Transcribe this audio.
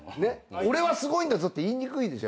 「俺はすごいんだぞ」って言いにくいでしょ？